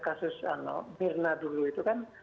kasus mirna dulu itu kan